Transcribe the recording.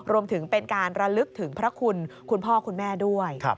รวมถึงเป็นการระลึกถึงพระคุณคุณพ่อคุณแม่ด้วย